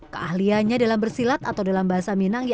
keahlianya dalam bersilat atau dalam bahasa minangkabau